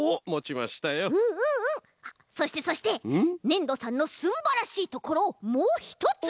ねんどさんのすんばらしいところをもうひとつ！